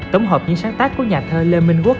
tổng hợp những sáng tác của nhà thơ lê minh quốc